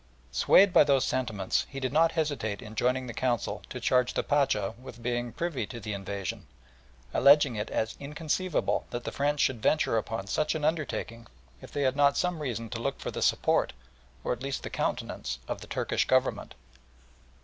Swayed by these sentiments, he did not hesitate on joining the Council to charge the Pacha with being privy to the invasion, alleging it as inconceivable that the French should venture upon such an undertaking if they had not some reason to look for the support, or at least the countenance of the Turkish Government.